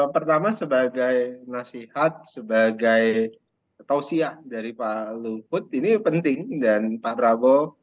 pertama sebagai nasihat sebagai tausiah dari pak luhut ini penting dan pak prabowo